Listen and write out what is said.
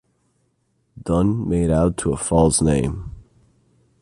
Dunn made out to a false name.